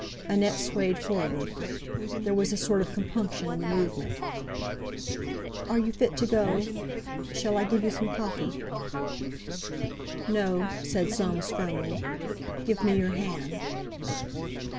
Annette swayed forward. There was a sort of compunction in the movement. "Are you fit to go? Shall I give you some coffee?" "No," said Soames firmly. "Give me your hand."